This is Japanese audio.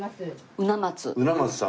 鰻松さん？